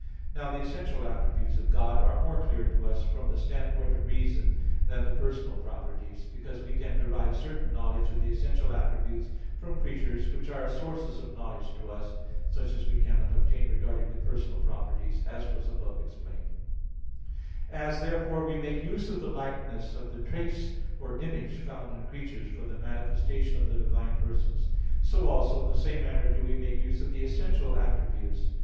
Now the essential attributes of God are more clear to us from the standpoint of reason than the personal properties; because we can derive certain knowledge of the essential attributes from creatures which are sources of knowledge to us, such as we cannot obtain regarding the personal properties, as was above explained (Q. 32, A. 1). As, therefore, we make use of the likeness of the trace or image found in creatures for the manifestation of the divine persons, so also in the same manner do we make use of the essential attributes.